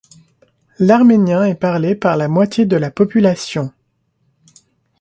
L'arménien est parlé par la moitié de la population.